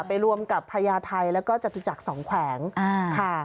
ไปรวมกับพญาไทยแล้วก็จตุจักรสองแขวงค่ะ